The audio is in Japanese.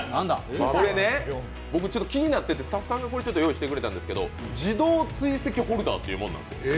僕気になっててスタッフさんが用意してくれたんですけど自動追跡ホルダーというものなんです。